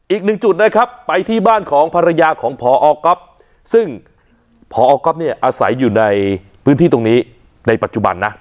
อีกหนึ่งจุดนะครับไปที่บ้านของภรรยาของพอก๊อฟซึ่งพอก๊อฟเนี่ยอาศัยอยู่ในพื้นที่ตรงนี้ในปัจจุบันนะ